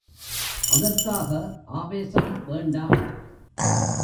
அதற்காக ஆவேசம் வேண்டாம்.